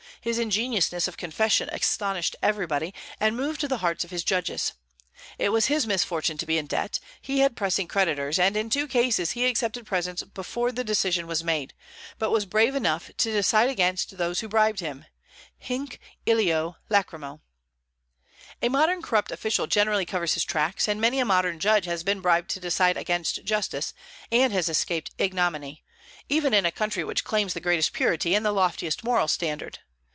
His ingenuousness of confession astonished everybody, and moved the hearts of his judges. It was his misfortune to be in debt; he had pressing creditors; and in two cases he accepted presents before the decision was made, but was brave enough to decide against those who bribed him, hinc illoe lacrymoe. A modern corrupt official generally covers his tracks; and many a modern judge has been bribed to decide against justice, and has escaped ignominy, even in a country which claims the greatest purity and the loftiest moral standard.